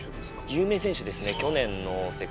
有名選手ですね。